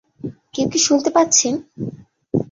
কেউ কি শুনতে পাচ্ছেন?